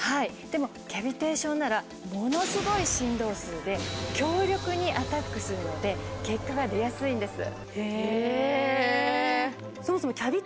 でもキャビテーションならものすごい振動数で強力にアタックするので結果が出やすいんです。